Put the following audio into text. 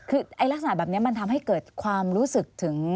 คือลักษณะแบบนี้มันทำให้เกิดความรู้สึกถึง